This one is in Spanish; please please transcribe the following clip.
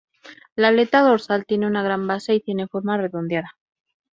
La aleta dorsal tiene una gran base y tiene forma redondeada.